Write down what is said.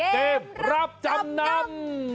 เกมรับจำนำ